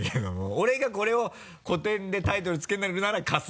俺がこれを個展でタイトルつけるなら「春日」